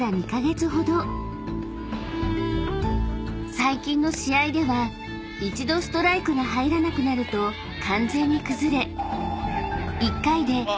［最近の試合では一度ストライクが入らなくなると完全に崩れ］